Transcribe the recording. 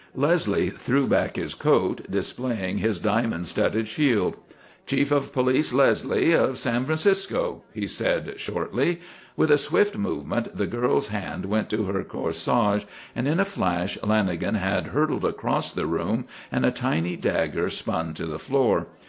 Leslie threw back his coat, displaying his diamond studded shield. "Chief of Police Leslie of San Francisco," He said, shortly. With a swift movement the girl's hand went to her corsage and in a flash Lanagan had hurtled across the room and a tiny dagger spun to the floor.